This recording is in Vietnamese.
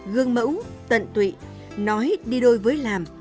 gương mẫu tận tụy nói đi đôi với làm